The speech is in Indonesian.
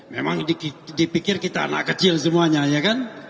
memang dipikir kita anak kecil semuanya ya kan